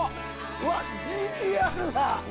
うわっ、ＧＴーＲだ！